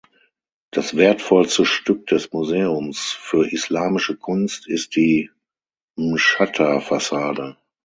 Das wertvollste Stück des Museums für Islamische Kunst ist die Mschatta-Fassade.